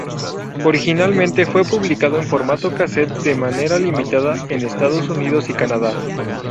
Originalmente fue publicado en formato casete de manera limitada en Estados Unidos y Canadá.